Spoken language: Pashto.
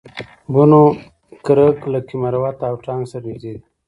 بنو کرک لکي مروت او ټانک سره نژدې دي